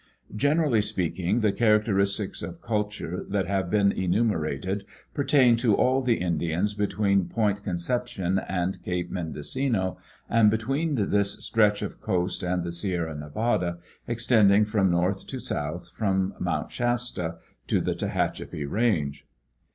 Generally speaking, the characteristics of culture that have been enumerated pertain to all the Indians between Point Con cepcion and Cape Mendociuo, and between this stretch of coast and the Sierra Nevada, extending from north to south from Mount Shasta to the Tehachapi range.